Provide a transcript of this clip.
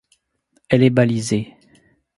Elle est balisée.